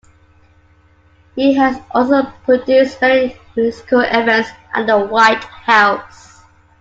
He has also produced many musical events at the White House.